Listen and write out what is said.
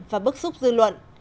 và bức xúc dư luận